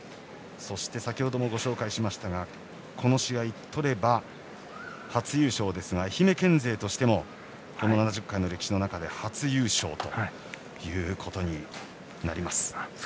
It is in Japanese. そして先程もご紹介しましたがこの試合、とれば初優勝で愛媛県勢としてもこの７０回の歴史の中で初優勝ということになります。